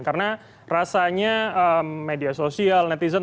karena rasanya media sosial netizen